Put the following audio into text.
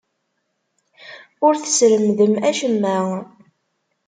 Ur tesremdem acemma.